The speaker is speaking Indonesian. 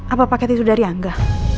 apa paket itu dari angga